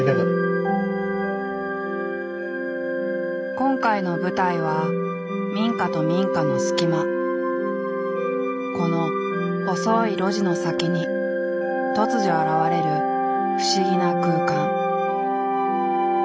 今回の舞台は民家と民家の隙間この細い路地の先に突如現れる不思議な空間。